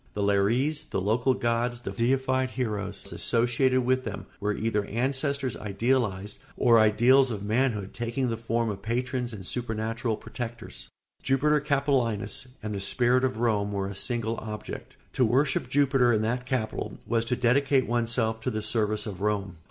The lares, the local gods, the deified heroes associated with them, were either ancestors idealised or ideals of manhood taking the form of patrons and supernatural protectors. Jupiter Capitolinus and the Spirit of Rome were a single object. To worship Jupiter in that Capitol was to dedicate oneself to the service of Rome.